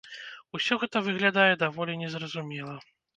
Усё гэта выглядае даволі не зразумела.